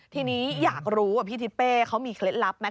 ทีนี้อยากรู้ว่าพี่ทิเป้เขามีเคล็ดลับไหม